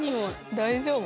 大丈夫？